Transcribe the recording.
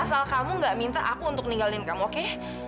asal kamu gak minta aku untuk ninggalin kamu oke